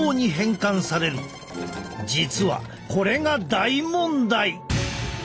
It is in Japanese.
実はこれが大問題！